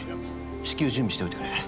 至急準備しておいてくれ。